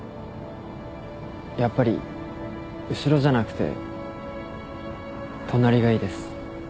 やっぱり後ろじゃなくて隣がいいです。